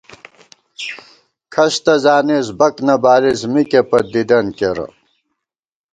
کھس تہ زانېس بَک نہ بالېس مِکے پت دِدَن کېرہ